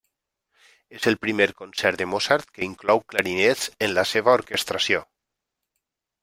És el primer concert de Mozart que inclou clarinets en la seva orquestració.